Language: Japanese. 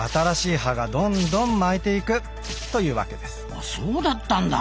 あそうだったんだ。